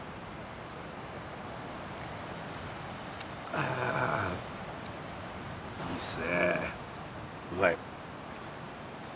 あいいっすねうまい。